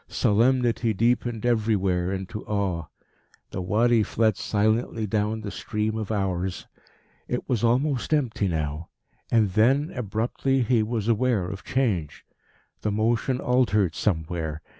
Solemnity deepened everywhere into awe. The Wadi fled silently down the stream of hours. It was almost empty now. And then, abruptly, he was aware of change. The motion altered somewhere.